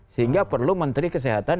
sehingga perlu menteri kesehatan